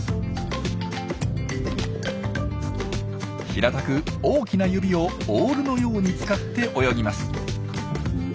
平たく大きな指をオールのように使って泳ぎます。